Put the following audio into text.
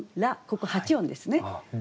ここ８音ですね。